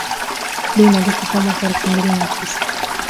dean alikufa mwaka elfu mbili na tisa